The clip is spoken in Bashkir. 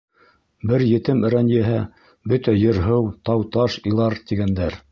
Бер етем рәнйеһә, бөтә ер-һыу, тау-таш илар, тигәндәр.